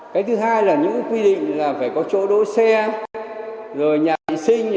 cái thứ hai là những quy định là phải có chỗ đối xe rồi nhà y sinh